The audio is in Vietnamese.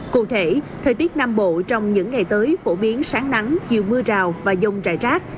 cụ thể thời tiết nam bộ trong những ngày tới phổ biến sáng nắng chiều mưa rào và dông rải rác